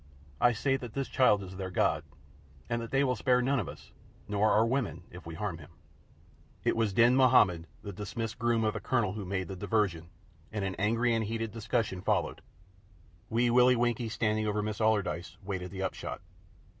I say that this child is their God, and that they will spare none of us, nor our women, if we harm him." It was Din Mahommed, the dismissed groom of the Colonel, who made the diversion, and an angry and heated discussion followed. Wee Willie Winkie standing over Miss Allardyce, waited the upshot.